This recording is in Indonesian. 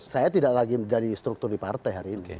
saya tidak lagi menjadi struktur di partai hari ini